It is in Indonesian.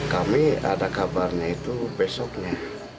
kami ada kabarnya itu besoknya